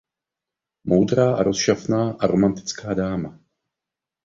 Moudrá, rozšafná a romantická dáma.